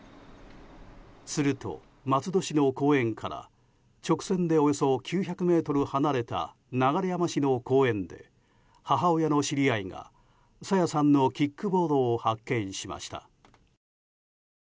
すると、松戸市の公園から直線でおよそ９００ｍ離れた流山市の公園で母親の知り合いが朝芽さんのキックボードを発見しました。